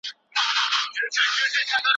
مشرانو په چین کي ګامونه پورته کړل.